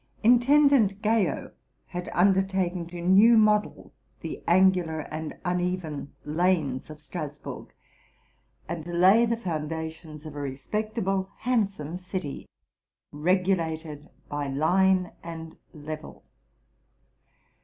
Intendant Gayot had undertaken to new model the angular and uneven lanes of Str asburg, and to lay the foundations of a respectable, handsome city, regulated by line and level.